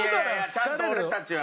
ちゃんと俺たちは。